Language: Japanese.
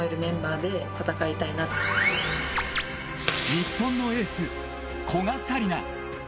［日本のエース古賀紗理那］